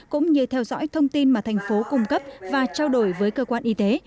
cũng như theo dõi thông tin mà thành phố cung cấp và trao đổi với cơ quan y tế